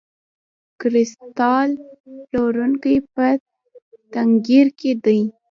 کریستال پلورونکی په تنګیر کې دی.